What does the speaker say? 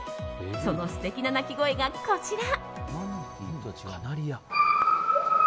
その素敵な鳴き声がこちら。